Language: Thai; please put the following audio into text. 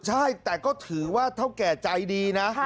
ใช่แต่ก็ถือว่าเท่าแก่ใจดีนะ